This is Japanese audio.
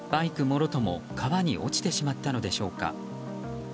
もろとも川に落ちてしまったのでしょうか。